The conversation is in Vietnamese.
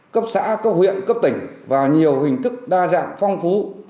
cấp xã cấp huyện cấp tỉnh và nhiều hình thức đa dạng phong phú